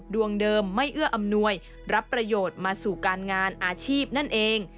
ดวงเดิมไม่เอื้ออำนวยรับประโยชน์มาสู่การงานอาชีพนั่นเอง